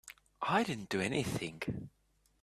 I didn't do anything.